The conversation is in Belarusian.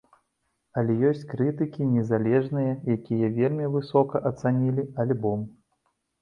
Але ёсць крытыкі незалежныя, якія вельмі высока ацанілі альбом.